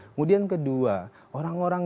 kemudian kedua orang orang